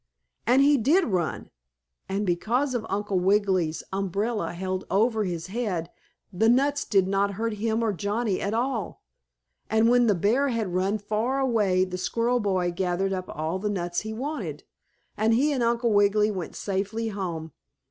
And he did run. And because of Uncle Wiggily's umbrella held over his head, the nuts did not hurt him or Johnnie at all. And when the bear had run far away the squirrel boy gathered all the nuts he wanted, and he and Uncle Wiggily went safely home.